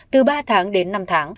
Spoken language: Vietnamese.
từ ba tháng đến năm tháng